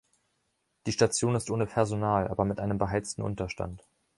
Die Station ist ohne Personal, aber mit einem beheizten Unterstand.